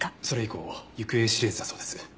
それ以降行方知れずだそうです。